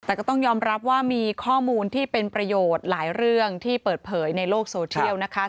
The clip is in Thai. แต่ก็ต้องยอมรับว่ามีข้อมูลที่เป็นประโยชน์หลายเรื่องที่เปิดเผยในโลกโซเทียลนะคะ